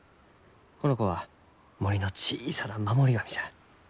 この子は森の小さな守り神じゃ。